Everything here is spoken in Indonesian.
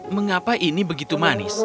mengapa ini begitu manis